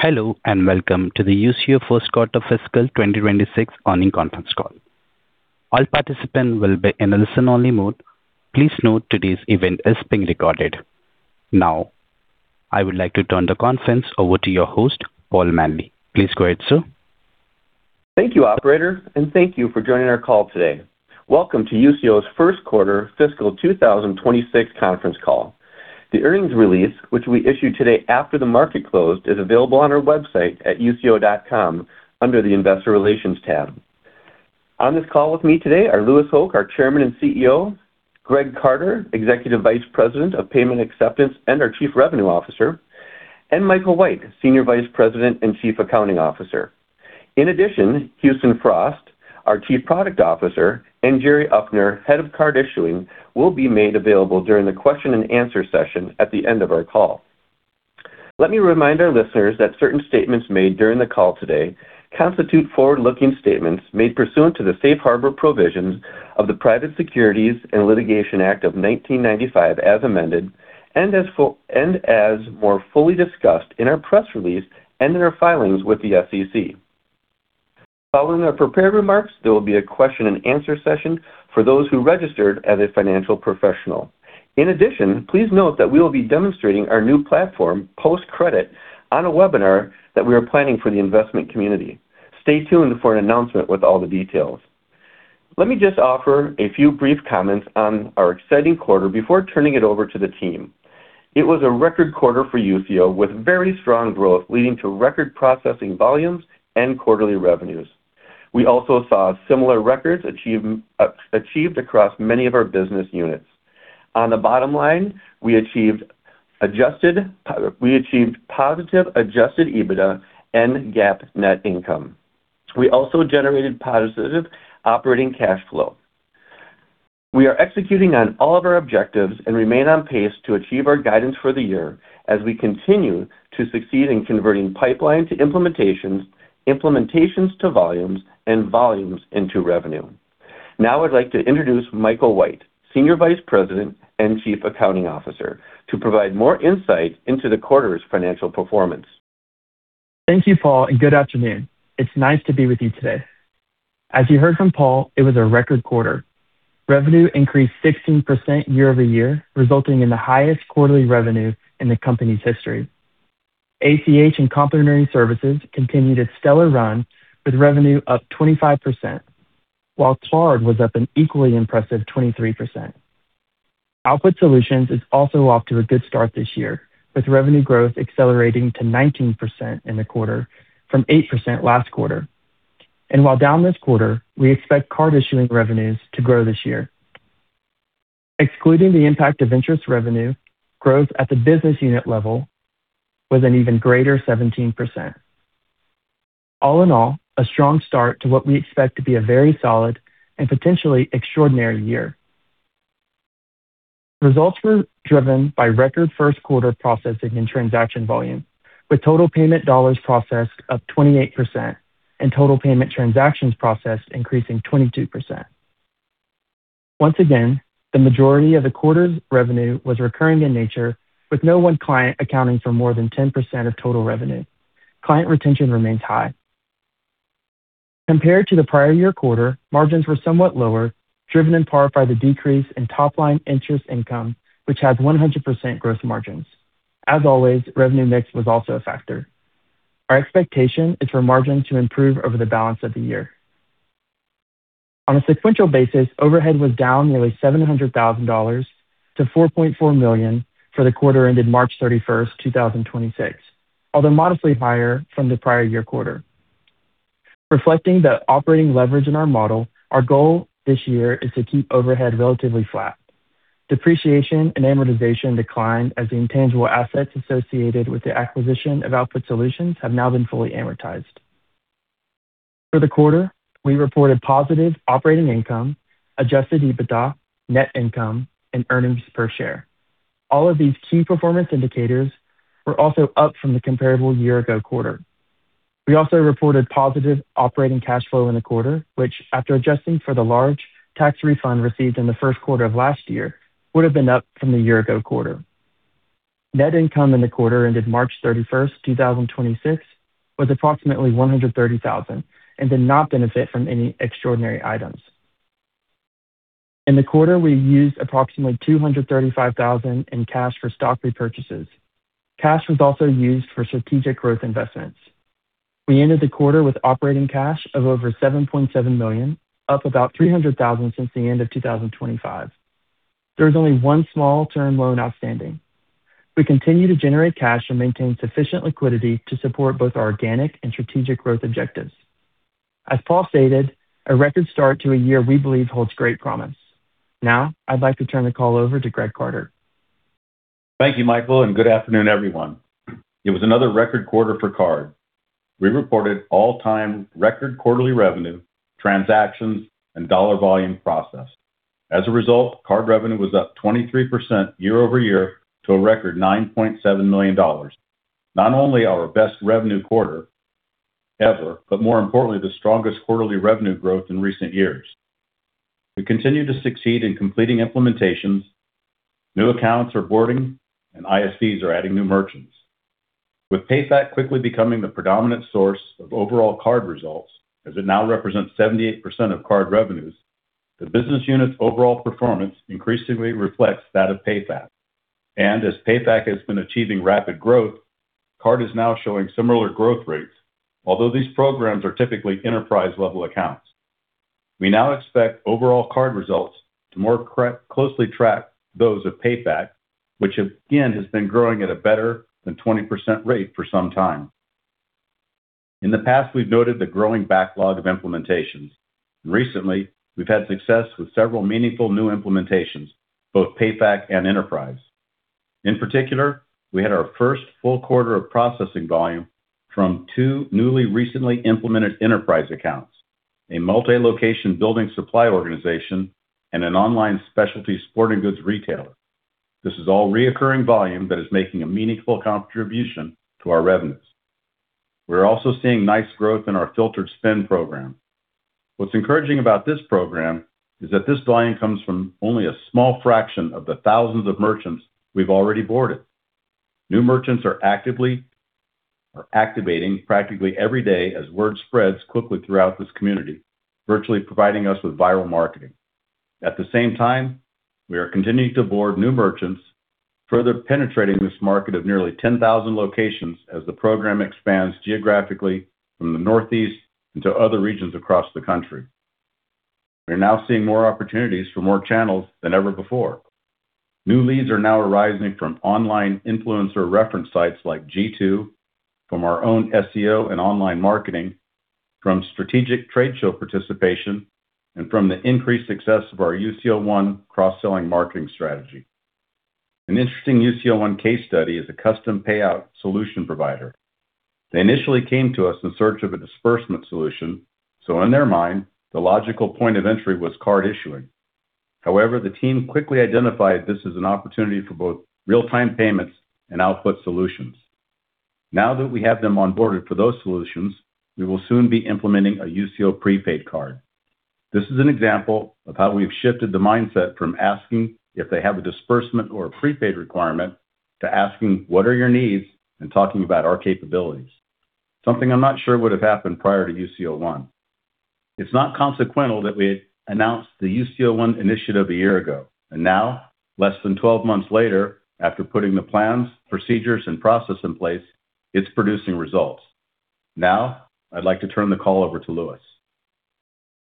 Hello, and welcome to the Usio Fourth Quarter Fiscal 2026 Earnings Conference Call. All participants will be in a listen-only mode. Please note today's event is being recorded. I would like to turn the conference over to your host, Paul Manley. Please go ahead, Sir. Thank you, operator, and thank you for joining our call today. Welcome to Usio's first quarter fiscal 2026 conference call. The earnings release, which we issued today after the market closed, is available on our website at usio.com under the Investor Relations tab. On this call with me today are Louis Hoch, our Chairman and CEO, Greg Carter, Executive Vice President of Payment Acceptance and our Chief Revenue Officer, and Michael White, Senior Vice President and Chief Accounting Officer. In addition, Houston Frost, our Chief Product Officer, and Jerry Uffner, Head of Card Issuing, will be made available during the question-and-answer session at the end of our call. Let me remind our listeners that certain statements made during the call today constitute forward-looking statements made pursuant to the safe harbor provisions of the Private Securities Litigation Reform Act of 1995 as amended and as more fully discussed in our press release and in our filings with the SEC. Following our prepared remarks, there will be a question-and-answer session for those who registered as a financial professional. In addition, please note that we will be demonstrating our new platform PostCredit on a webinar that we are planning for the investment community. Stay tuned for an announcement with all the details. Let me just offer a few brief comments on our exciting quarter before turning it over to the team. It was a record quarter for Usio, with very strong growth leading to record processing volumes and quarterly revenues. We also saw similar records achieved across many of our business units. On the bottom line, we achieved positive adjusted EBITDA and GAAP net income. We also generated positive operating cash flow. We are executing on all of our objectives and remain on pace to achieve our guidance for the year as we continue to succeed in converting pipeline to implementations to volumes, and volumes into revenue. Now I'd like to introduce Michael White, Senior Vice President and Chief Accounting Officer, to provide more insight into the quarter's financial performance. Thank you, Paul, and good afternoon. It's nice to be with you today. As you heard from Paul, it was a record quarter. Revenue increased 16% year-over-year, resulting in the highest quarterly revenue in the company's history. ACH and complementary services continued a stellar run with revenue up 25%, while card was up an equally impressive 23%. Output Solutions is also off to a good start this year, with revenue growth accelerating to 19% in the quarter from 8% last quarter. While down this quarter, we expect card issuing revenues to grow this year. Excluding the impact of interest revenue, growth at the business unit level was an even greater 17%. All in all, a strong start to what we expect to be a very solid and potentially extraordinary year. Results were driven by record 1st quarter processing and transaction volume, with total payment dollars processed up 28% and total payment transactions processed increasing 22%. Once again, the majority of the quarter's revenue was recurring in nature, with no one client accounting for more than 10% of total revenue. Client retention remains high. Compared to the prior-year quarter, margins were somewhat lower, driven in part by the decrease in top-line interest income, which has 100% gross margins. As always, revenue mix was also a factor. Our expectation is for margins to improve over the balance of the year. On a sequential basis, overhead was down nearly $700,000 to $4.4 million for the quarter ended March 31, 2026, although modestly higher from the prior-year quarter. Reflecting the operating leverage in our model, our goal this year is to keep overhead relatively flat. Depreciation and amortization declined as the intangible assets associated with the acquisition of Output Solutions have now been fully amortized. For the quarter, we reported positive operating income, adjusted EBITDA, net income, and earnings per share. All of these key performance indicators were also up from the comparable year-ago quarter. We also reported positive operating cash flow in the quarter, which, after adjusting for the large tax refund received in the first quarter of last year, would have been up from the year-ago quarter. Net income in the quarter ended March 31st, 2026 was approximately $130,000 and did not benefit from any extraordinary items. In the quarter, we used approximately $235,000 in cash for stock repurchases. Cash was also used for strategic growth investments. We ended the quarter with operating cash of over $7.7 million, up about $300,000 since the end of 2025. There is only one small-term loan outstanding. We continue to generate cash and maintain sufficient liquidity to support both our organic and strategic growth objectives. As Paul stated, a record start to a year we believe holds great promise. Now, I'd like to turn the call over to Greg Carter. Thank you, Michael, and good afternoon, everyone. It was another record quarter for card. We reported all-time record quarterly revenue, transactions, and dollar volume processed. As a result, card revenue was up 23% year-over-year to a record $9.7 million. Not only our best revenue quarter ever, more importantly, the strongest quarterly revenue growth in recent years. We continue to succeed in completing implementations, new accounts are boarding, and ISVs are adding new merchants. With PayFac quickly becoming the predominant source of overall card results, as it now represents 78% of card revenues, the business unit's overall performance increasingly reflects that of PayFac. As PayFac has been achieving rapid growth, card is now showing similar growth rates, although these programs are typically enterprise-level accounts. We now expect overall card results to more closely track those of PayFac, which again has been growing at a better than 20% rate for some time. In the past, we've noted the growing backlog of implementations. Recently, we've had success with several meaningful new implementations, both PayFac and enterprise. In particular, we had our first full quarter of processing volume from two newly recently implemented enterprise accounts, a multi-location building supply organization and an online specialty sporting goods retailer. This is all reoccurring volume that is making a meaningful contribution to our revenues. We're also seeing nice growth in our Filtered Spend program. What's encouraging about this program is that this volume comes from only a small fraction of the thousands of merchants we've already boarded. New merchants are activating practically every day as word spreads quickly throughout this community, virtually providing us with viral marketing. At the same time, we are continuing to board new merchants, further penetrating this market of nearly 10,000 locations as the program expands geographically from the Northeast into other regions across the country. We're now seeing more opportunities for more channels than ever before. New leads are now arising from online influencer reference sites like G2, from our own SEO and online marketing, from strategic trade show participation, and from the increased success of our Usio ONE cross-selling marketing strategy. An interesting Usio ONE case study is a custom payout solution provider. They initially came to us in search of a disbursement solution, so in their mind, the logical point of entry was card issuing. However, the team quickly identified this as an opportunity for both Real-Time Payments and Output Solutions. Now that we have them onboarded for those solutions, we will soon be implementing a Usio prepaid card. This is an example of how we've shifted the mindset from asking if they have a disbursement or a prepaid requirement to asking what are your needs and talking about our capabilities, something I'm not sure would have happened prior to Usio ONE. It's not consequential that we announced the Usio ONE initiative a year ago, and now less than 12 months later, after putting the plans, procedures, and process in place, it's producing results. Now, I'd like to turn the call over to Louis.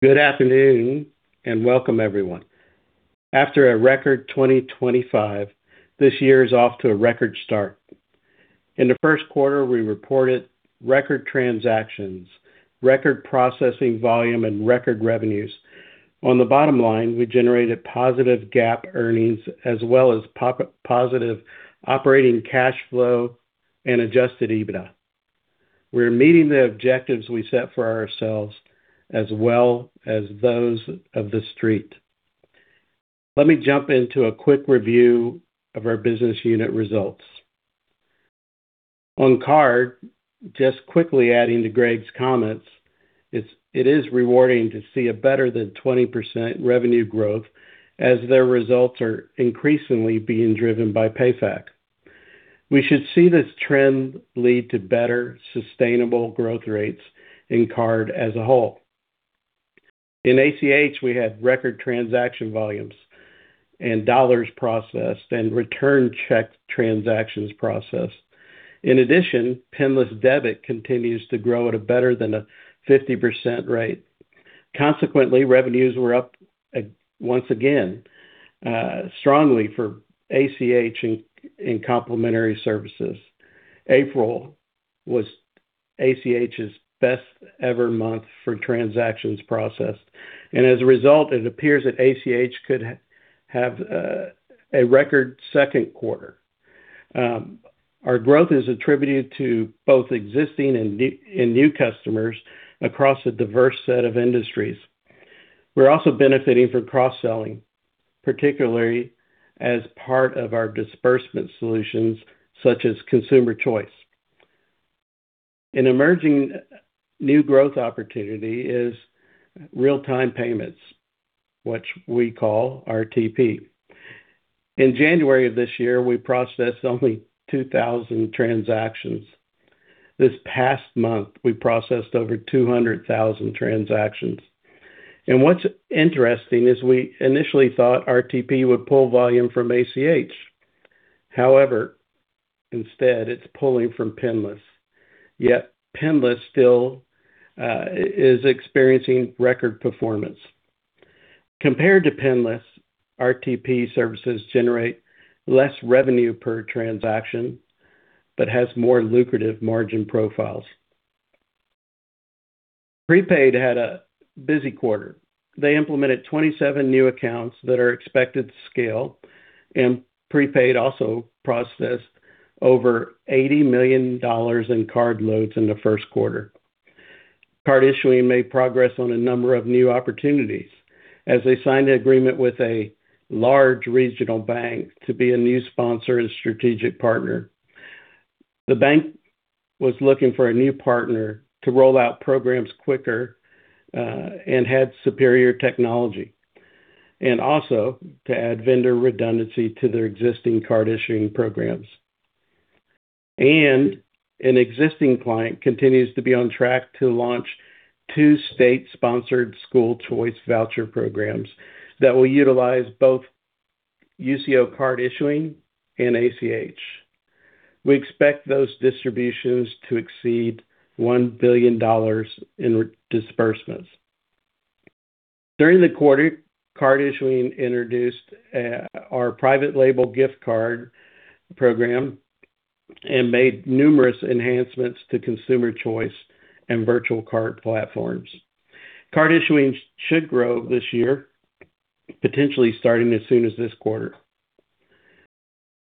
Good afternoon and welcome everyone. After a record 2025, this year is off to a record start. In the first quarter, we reported record transactions, record processing volume, and record revenues. On the bottom line, we generated positive GAAP earnings as well as positive operating cash flow and adjusted EBITDA. We're meeting the objectives we set for ourselves as well as those of the street. Let me jump into a quick review of our business unit results. On card, just quickly adding to Greg's comments, it is rewarding to see a better than 20% revenue growth as their results are increasingly being driven by PayFac. We should see this trend lead to better sustainable growth rates in card as a whole. In ACH, we had record transaction volumes and dollars processed and return check transactions processed. In addition, PINless Debit continues to grow at a better than a 50% rate. Consequently, revenues were up once again strongly for ACH in complementary services. April was ACH's best ever month for transactions processed, as a result, it appears that ACH could have a record second quarter. Our growth is attributed to both existing and new customers across a diverse set of industries. We're also benefiting from cross-selling, particularly as part of our disbursement solutions such as Consumer Choice. An emerging new growth opportunity is Real-Time Payments, which we call RTP. In January of this year, we processed only 2,000 transactions. This past month, we processed over 200,000 transactions. What's interesting is we initially thought RTP would pull volume from ACH. However, instead it's pulling from PINless, yet PINless still is experiencing record performance. Compared to PINless Debit, RTP services generate less revenue per transaction but has more lucrative margin profiles. Prepaid had a busy quarter. They implemented 27 new accounts that are expected to scale. Prepaid also processed over $80 million in card loads in the first quarter. Card issuing made progress on a number of new opportunities as they signed an agreement with a large regional bank to be a new sponsor and strategic partner. The bank was looking for a new partner to roll out programs quicker, had superior technology, and also to add vendor redundancy to their existing card issuing programs. An existing client continues to be on track to launch two state-sponsored school choice voucher programs that will utilize both Usio card issuing and ACH. We expect those distributions to exceed $1 billion in re-disbursements. During the quarter, card issuing introduced our Private-Label Gift Card program and made numerous enhancements to Consumer Choice and virtual card platforms. Card issuing should grow this year, potentially starting as soon as this quarter.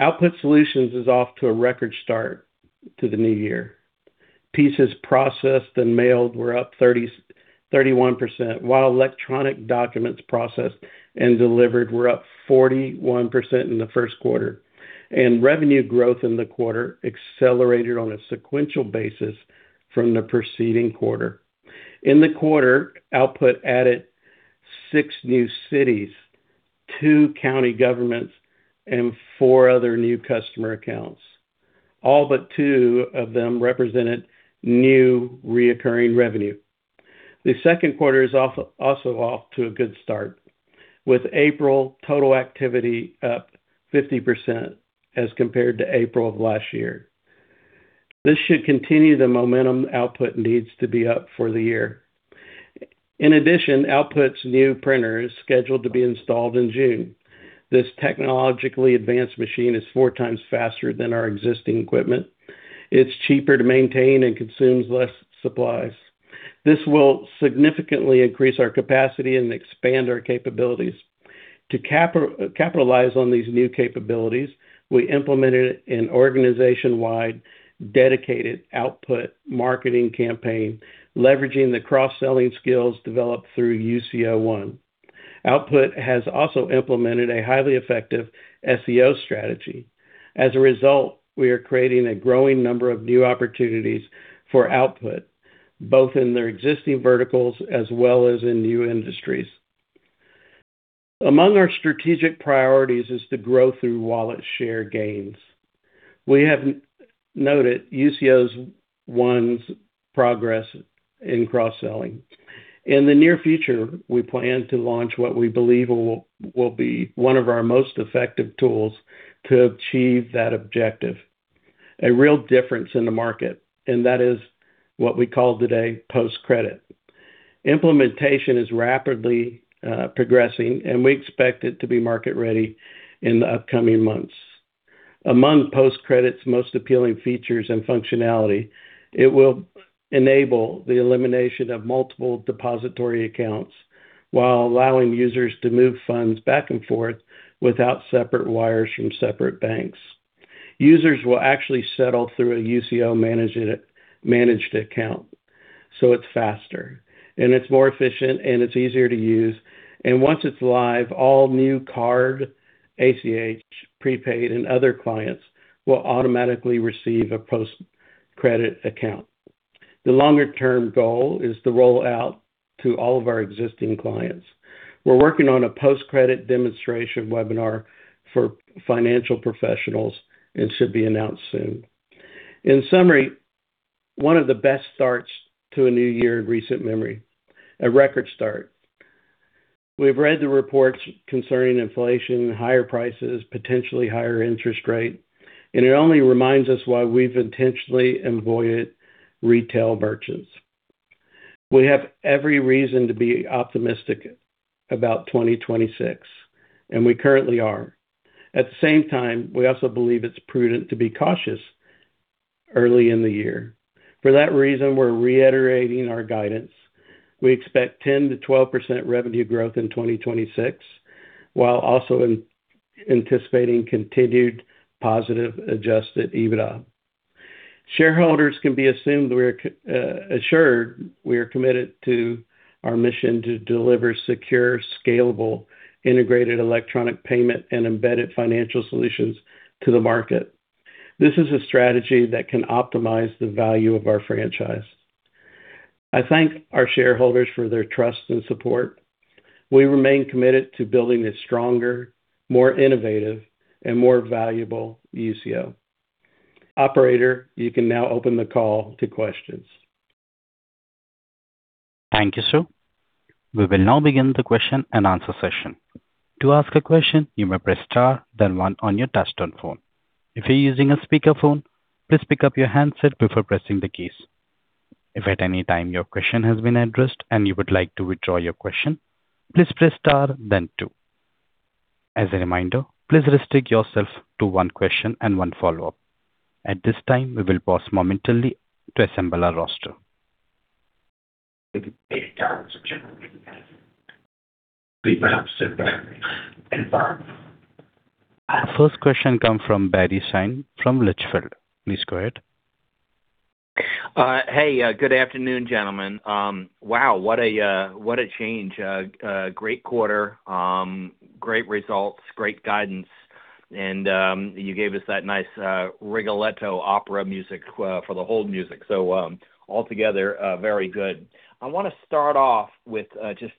Output Solutions is off to a record start to the new year. Pieces processed and mailed were up 31%, while electronic documents processed and delivered were up 41% in the first quarter. Revenue growth in the quarter accelerated on a sequential basis from the preceding quarter. In the quarter, Output added six new cities, two county governments, and four other new customer accounts. All but two of them represented new reoccurring revenue. The second quarter is off, also off to a good start, with April total activity up 50% as compared to April of last year. This should continue the momentum Output needs to be up for the year. In addition, Output's new printer is scheduled to be installed in June. This technologically advanced machine is 4x faster than our existing equipment. It's cheaper to maintain and consumes less supplies. This will significantly increase our capacity and expand our capabilities. To capitalize on these new capabilities, we implemented an organization-wide dedicated Output marketing campaign leveraging the cross-selling skills developed through Usio ONE. Output has also implemented a highly effective SEO strategy. As a result, we are creating a growing number of new opportunities for Output, both in their existing verticals as well as in new industries. Among our strategic priorities is to grow through wallet share gains. We have noted Usio ONE's progress in cross-selling. In the near future, we plan to launch what we believe will be one of our most effective tools to achieve that objective, a real difference in the market. That is what we call today Post Credit. Implementation is rapidly progressing. We expect it to be market ready in the upcoming months. Among Post Credit's most appealing features and functionality, it will enable the elimination of multiple depository accounts while allowing users to move funds back and forth without separate wires from separate banks. Users will actually settle through a Usio managed account, so it's faster, and it's more efficient, and it's easier to use. Once it's live, all new Card, ACH, prepaid, and other clients will automatically receive a Post Credit account. The longer-term goal is to roll out to all of our existing clients. We're working on a PostCredit demonstration webinar for financial professionals and should be announced soon. In summary, one of theq best starts to a new year in recent memory, a record start. We've read the reports concerning inflation, higher prices potentially higher interest rates, and it only reminds us why we've intentionally avoided retail merchants. We have every reason to be optimistic about 2026. We currently are. At the same time, we also believe it's prudent to be cautious early in the year. For that reason, we're reiterating our guidance. We expect 10%-12% revenue growth in 2026, while also anticipating continued positive adjusted EBITDA. Shareholders can be assured we are committed to our mission to deliver secure, scalable, integrated electronic payment, and embedded financial solutions to the market. This is a strategy that can optimize the value of our franchise. I thank our shareholders for their trust and support. We remain committed to building a stronger, more innovative, and more valuable Usio. Operator, you can now open the call to questions. Thank you, Sir. We will now begin the question-and-answer session. To ask a question, you may press star, then one your touchtone phone. If you're using speakerphone, please pick up your handset before pressing the keys. If at any time your question has been addressed and you would like to withdraw your question, please press star, then two. As a reminder, please restrict yourself to one question and one follow-up. At this time, we will pause momentarily to assemble our roster. [inaudible] Our first question comes from Barry Sine from Litchfield Hills Research. Please go ahead. Good afternoon, gentlemen. Wow, what a, what a change. A great quarter, great results, great guidance, and you gave us that nice Rigoletto opera music for the hold music. Altogether, very good. I wanna start off with, just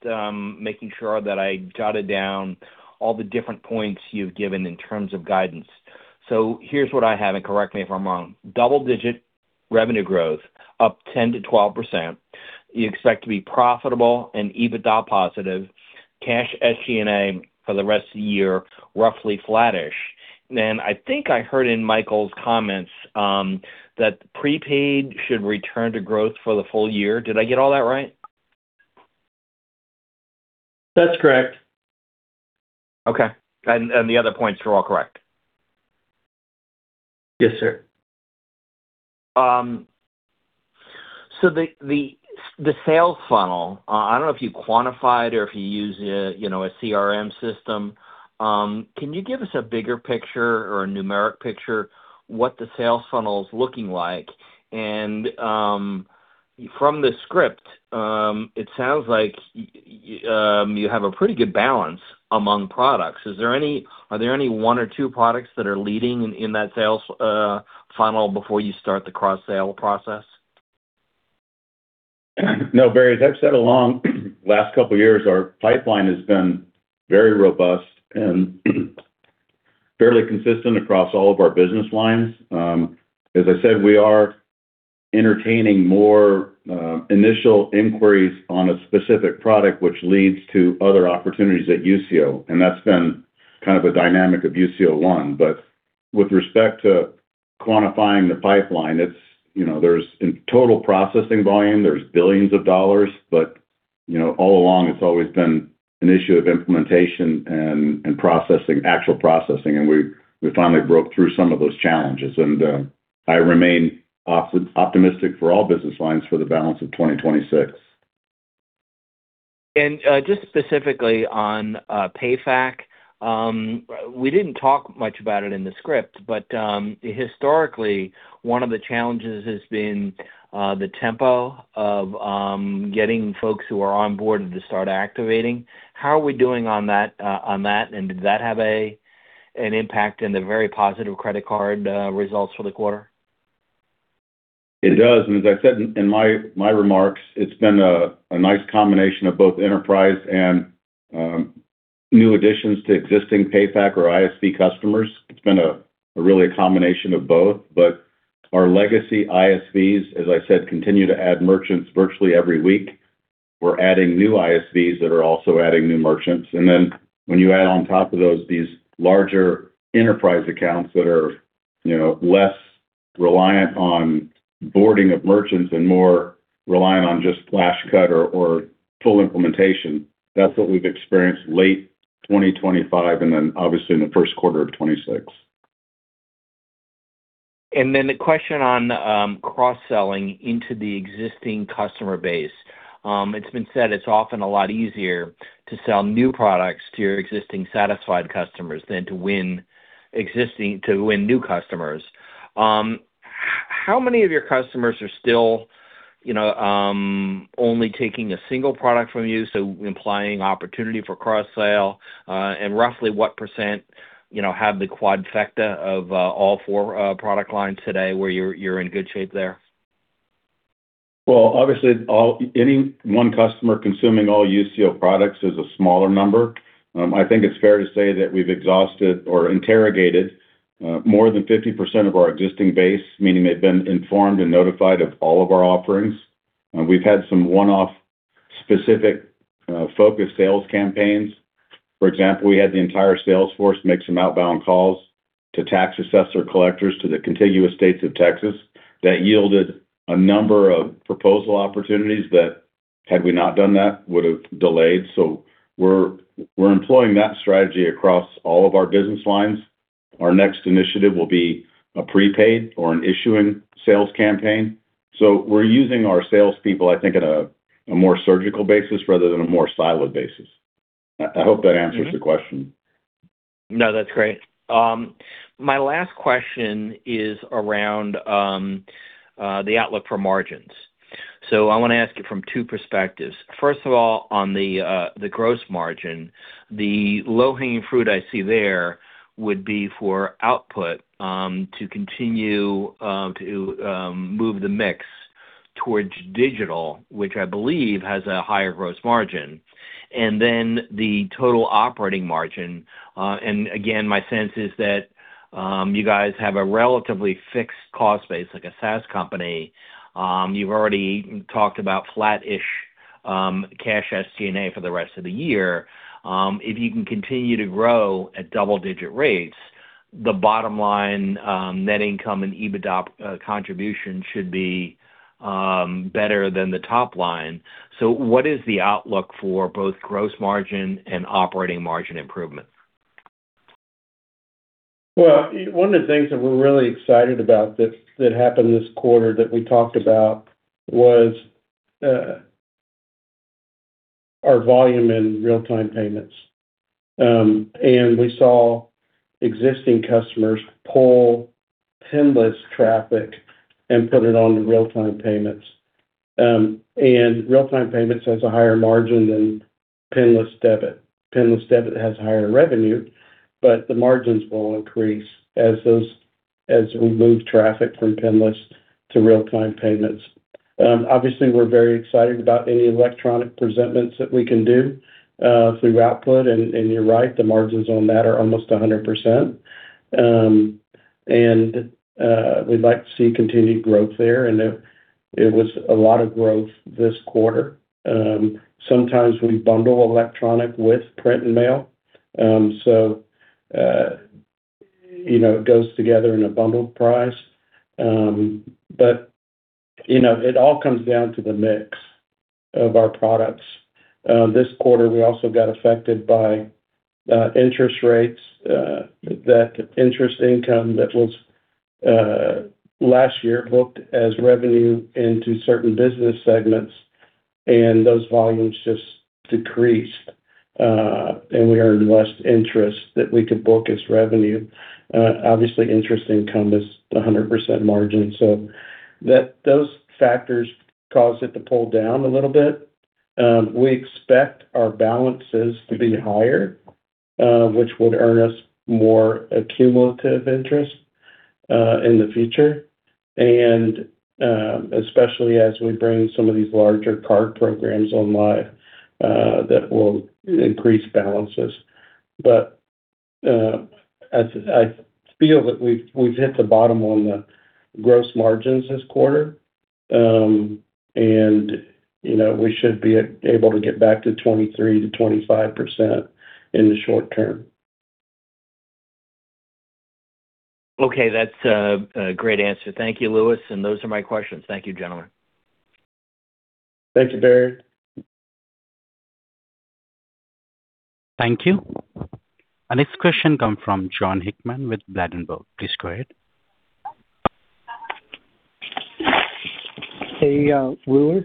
making sure that I jotted down all the different points you've given in terms of guidance. Here's what I have and correct me if I'm wrong. Double-digit revenue growth, up 10%-12%. You expect to be profitable and EBITDA positive. Cash SG&A for the rest of the year, roughly flattish. I think I heard in Michael's comments that prepaid should return to growth for the full year. Did I get all that right? That's correct. Okay. The other points are all correct? Yes, Sir. The sales funnel, I don't know if you quantify it or if you use a, you know, a CRM system. Can you give us a bigger picture or a numeric picture what the sales funnel's looking like? From the script, it sounds like you have a pretty good balance among products. Are there any one or two products that are leading in that sales funnel before you start the cross-sale process? No, Barry. As I've said along last couple years, our pipeline has been very robust and fairly consistent across all of our business lines. As I said, we are entertaining more initial inquiries on a specific product which leads to other opportunities at Usio, and that's been kind of a dynamic of Usio ONE. With respect to quantifying the pipeline, it's, you know, there's in total processing volume, there's billions of dollars, but, you know, all along it's always been an issue of implementation and processing, actual processing, and we've finally broke through some of those challenges. I remain optimistic for all business lines for the balance of 2026. Just specifically on PayFac, we didn't talk much about it in the script, but historically, one of the challenges has been the tempo of getting folks who are on board to start activating. How are we doing on that, on that, and did that have an impact in the very positive credit card results for the quarter? It does, and as I said in my remarks, it's been a nice combination of both enterprise and new additions to existing PayFac or ISV customers. It's been a really a combination of both. Our legacy ISVs, as I said, continue to add merchants virtually every week. We're adding new ISVs that are also adding new merchants. When you add on top of those, these larger enterprise accounts that are, you know, less reliant on boarding of merchants and more reliant on just flash cut or full implementation, that's what we've experienced late 2025 and then obviously in the first quarter of 2026. A question on cross-selling into the existing customer base. It's been said it's often a lot easier to sell new products to your existing satisfied customers than to win new customers. How many of your customers are still, you know, only taking a single product from you, so implying opportunity for cross-sale? Roughly what percent, you know, have the quadfecta of all four product lines today where you're in good shape there? Well, obviously all any one customer consuming all Usio products is a smaller number. I think it's fair to say that we've exhausted or interrogated more than 50% of our existing base, meaning they've been informed and notified of all of our offerings. We've had some one-off specific focused sales campaigns. For example, we had the entire sales force make some outbound calls to tax assessor collectors to the contiguous states of Texas. That yielded a number of proposal opportunities that had we not done that, would have delayed. We're employing that strategy across all of our business lines. Our next initiative will be a prepaid or an issuing sales campaign. We're using our salespeople, I think, at a more surgical basis rather than a more siloed basis. I hope that answers the question. No, that's great. My last question is around the outlook for margins. I wanna ask it from two perspectives. First of all, on the gross margin, the low-hanging fruit I see there would be for Output Solutions to continue to move the mix towards digital, which I believe has a higher gross margin. The total operating margin, my sense is that you guys have a relatively fixed cost base like a SaaS company. You've already talked about flattish cash SG&A for the rest of the year. If you can continue to grow at double-digit rates, the bottom line, net income and EBITDA contribution should be better than the top line. What is the outlook for both gross margin and operating margin improvement? Well, one of the things that we're really excited about that happened this quarter that we talked about was Our volume in Real-Time Payments. We saw existing customers pull PINless traffic and put it onto Real-Time Payments. Real-Time Payments has a higher margin than PINless Debit. PINless Debit has higher revenue, the margins will increase as we move traffic from PINless to Real-Time Payments. Obviously, we're very excited about any electronic presentments that we can do through Output. You're right, the margins on that are almost 100%. We'd like to see continued growth there. It was a lot of growth this quarter. Sometimes we bundle electronic with print and mail. You know, it goes together in a bundled price. You know, it all comes down to the mix of our products. This quarter, we also got affected by interest rates, that interest income that was last year booked as revenue into certain business segments, and those volumes just decreased. We earned less interest that we could book as revenue. Obviously, interest income is a 100% margin, so that those factors caused it to pull down a little bit. We expect our balances to be higher, which would earn us more accumulative interest, in the future, and especially as we bring some of these larger card programs on live, that will increase balances. As I feel that we've hit the bottom on the gross margins this quarter, and, you know, we should be able to get back to 23%-25% in the short term. Okay. That's a great answer. Thank you, Louis. Those are my questions. Thank you, gentlemen. Thank you, Barry. Thank you. Our next question come from Jon Hickman with Ladenburg Thalmann. Please go ahead. Hey, Louis.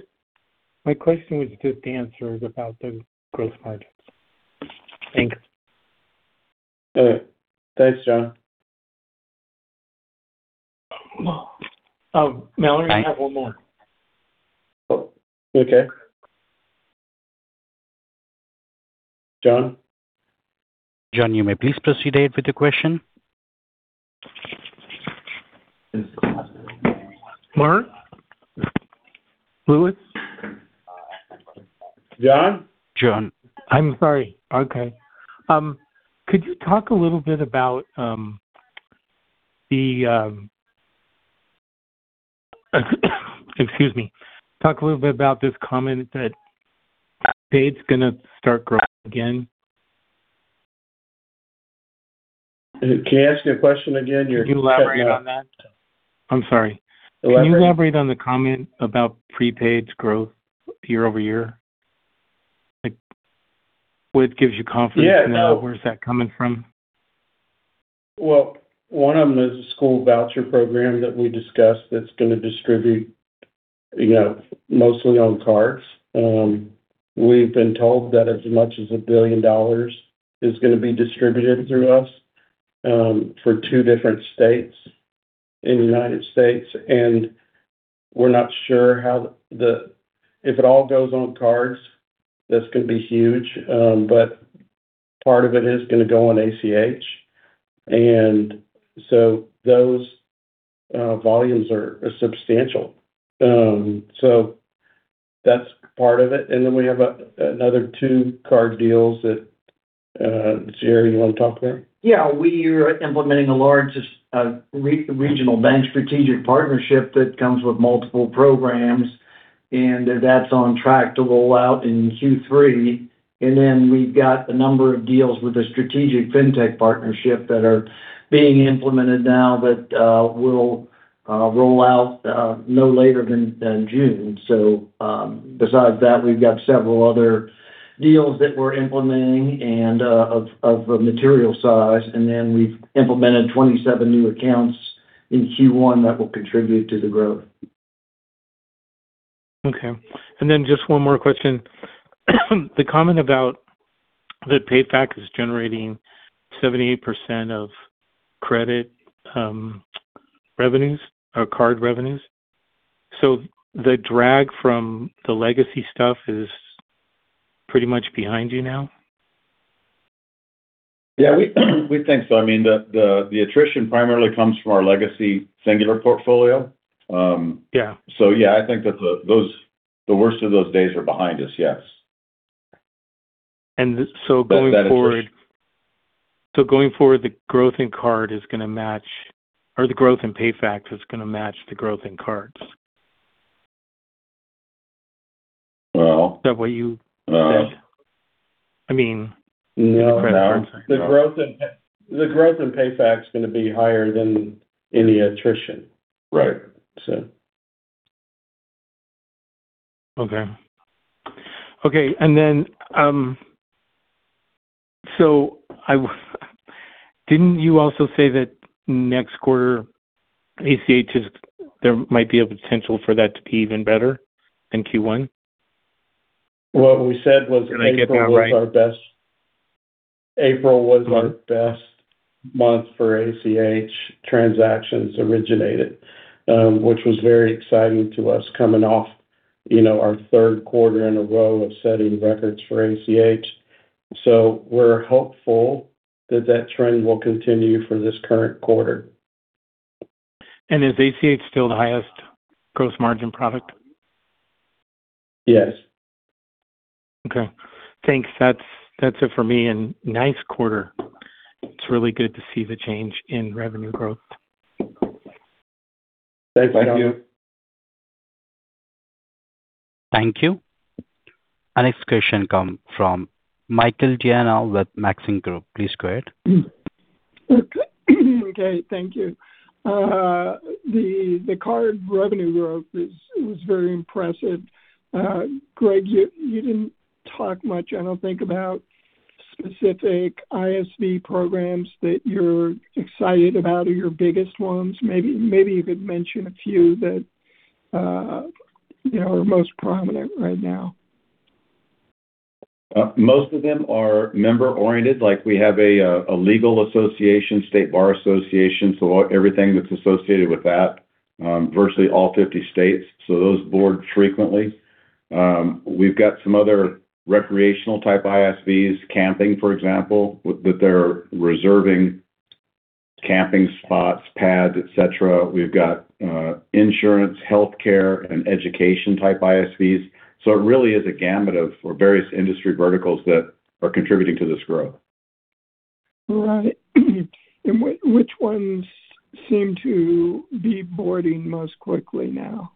My question was just the answers about the gross margins. Thanks. All right. Thanks, Jon. Mallory, I have one more. Oh, okay. Jon? Jon, you may please proceed with your question. Mark? Louis? Jon? Jon. I'm sorry. Okay. Excuse me. Talk a little bit about this comment that prepaid's gonna start growing again. Can you ask your question again? You're cutting out. Can you elaborate on that? I'm sorry. Elaborate? Can you elaborate on the comment about prepaid's growth year-over-year? Like, what gives you confidence? Yeah. Where is that coming from? Well, one of them is a school voucher program that we discussed that's gonna distribute, you know, mostly on cards. We've been told that as much as $1 billion is gonna be distributed through Usio for two different states in the United States. We're not sure how the If it all goes on cards, that's gonna be huge. Part of it is gonna go on ACH. Those volumes are substantial. That's part of it. We have another two card deals that, Jerry, you wanna talk to that? We are implementing a large regional bank strategic partnership that comes with multiple programs, that's on track to roll out in Q3. We've got a number of deals with a strategic Fintech partnership that are being implemented now that will roll out no later than June. Besides that, we've got several other deals that we're implementing of a material size. We've implemented 27 new accounts in Q1 that will contribute to the growth. Okay. Just one more question. The comment about that PayFac is generating 78% of credit revenues or card revenues. The drag from the legacy stuff is pretty much behind you now? Yeah, we think so. I mean, the attrition primarily comes from our legacy Singular portfolio. Yeah. Yeah, I think that the worst of those days are behind us, yes. Going forward. That is- Going forward, the growth in card is gonna match or the growth in PayFac is gonna match the growth in cards? Well- Is that what you said? No. I mean- No. The credit cards. The growth in PayFac is gonna be higher than any attrition. Right. So Okay. Okay. Didn't you also say that next quarter ACH is there might be a potential for that to be even better than Q1? What we said was- Did I get that right? April was our best month for ACH transactions originated, which was very exciting to us coming off, you know, our third quarter in a row of setting records for ACH. We're hopeful that that trend will continue for this current quarter. Is ACH still the highest gross margin product? Yes. Okay. Thanks. That's it for me. Nice quarter. It's really good to see the change in revenue growth. Thanks, Jon. Thank you. Our next question come from Michael Diana with Maxim Group. Please go ahead. Okay. Thank you. The card revenue growth was very impressive. Greg, you didn't talk much, I don't think, about specific ISV programs that you're excited about or your biggest ones. Maybe you could mention a few that, you know, are most prominent right now. Most of them are member oriented. Like, we have a legal association, state bar association, so everything that's associated with that, virtually all 50 states. Those board frequently. We've got some other recreational-type ISVs, camping, for example, with their reserving camping spots, pads, et cetera. We've got insurance, healthcare, and education-type ISVs. It really is a gamut of various industry verticals that are contributing to this growth. Right. Which ones seem to be boarding most quickly now?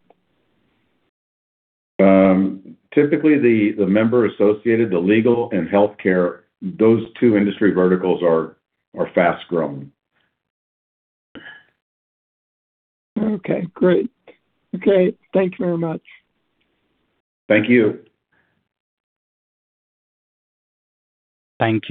Typically, the member-associated, the legal and healthcare, those two industry verticals are fast-growing. Okay, great. Okay. Thank you very much. Thank you. Thank you.